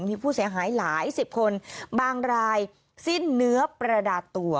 มีผู้เสียหายหลายสิบคนบางรายสิ้นเนื้อประดาตัว